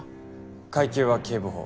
階級は警部補。